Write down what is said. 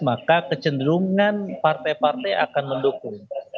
maka kecenderungan partai partai akan mendukung